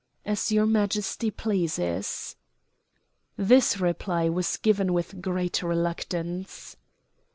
"As your Majesty pleases." This reply was given with great reluctance.